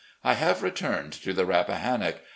. I 'have returned to the Rappahannock.